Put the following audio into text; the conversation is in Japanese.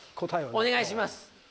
お願いします。